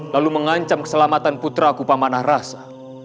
lalu mengancam keselamatan putra kupamanah rasa